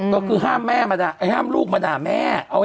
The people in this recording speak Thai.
ก็คือห้ามลูกมาด่าแม่